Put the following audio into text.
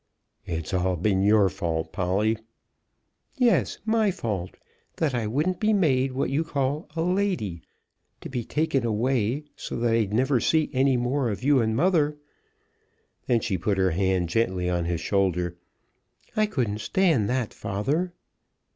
"It's all been your fault, Polly." "Yes; my fault; that I wouldn't be made what you call a lady; to be taken away, so that I'd never see any more of you and mother!" Then she put her hand gently on his shoulder. "I couldn't stand that, father."